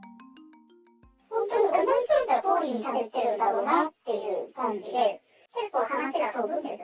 本当に思いついたとおりにしゃべってるんだろうなっていう感じで、結構、話が飛ぶんです。